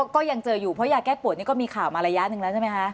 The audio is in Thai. ก็ยังเจออยู่เพราะยาแก้ปวดนี่ก็มีข่าวมาระยะหนึ่งแล้วใช่ไหมคะ